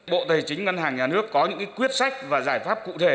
bộ tài chính ngân hàng nhà nước có những quyết sách và giải pháp cụ thể